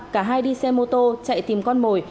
cả hai đi xe mô tô chạy tìm con mồi